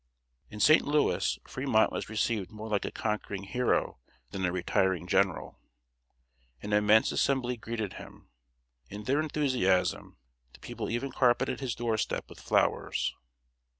In St. Louis, Fremont was received more like a conquering hero than a retiring general. An immense assembly greeted him. In their enthusiasm, the people even carpeted his door step with flowers.